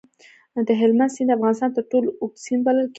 د هلمند سیند د افغانستان تر ټولو اوږد سیند بلل کېږي.